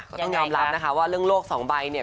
ก็ต้องยอมรับนะคะว่าเรื่องโลกสองใบเนี่ย